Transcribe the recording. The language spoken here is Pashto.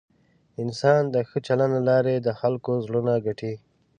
انسان د ښه چلند له لارې د خلکو زړونه ګټي.